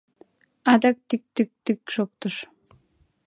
Адак тӱк-тӱк-тӱк шоктыш.